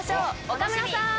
岡村さん。